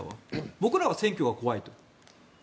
僕らは選挙が怖いと。